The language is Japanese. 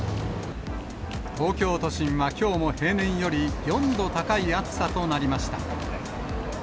東京都心はきょうも平年より４度高い暑さとなりました。